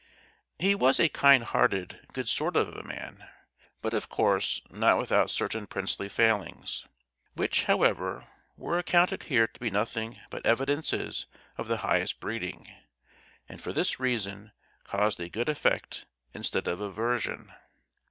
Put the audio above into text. He was a kind hearted, good sort of a man, but, of course, not without certain princely failings, which, however, were accounted here to be nothing but evidences of the highest breeding, and for this reason caused a good effect instead of aversion.